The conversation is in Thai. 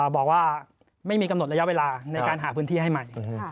บอกว่าไม่มีกำหนดระยะเวลาในการหาพื้นที่ให้ใหม่